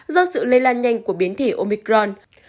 do sự lây lan nhanh của biến thể omicron